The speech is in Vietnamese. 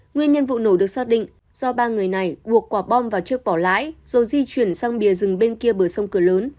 nguyên nhân vụ nổ được xác định do ba người này buộc quả bom vào trước bỏ lãi rồi di chuyển sang bìa rừng bên kia bờ sông cửa lớn